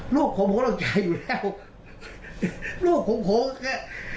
ลูกของผมเกิดต้องจ่ายอยู่แล้ว